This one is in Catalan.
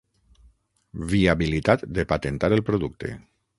Viabilitat de patentar el producte.